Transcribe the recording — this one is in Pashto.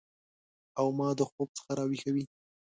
او ما د خوب څخه راویښوي